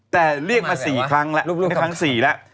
แต่เรียกมา๔ครั้งแล้ว